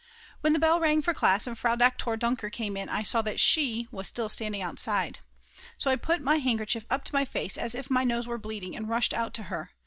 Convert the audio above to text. When the bell rang for class and Frau Doktor Dunker came in I saw that she was still standing outside. So I put my handkerchief up to my face as if my nose were bleeding, and rushed out to her.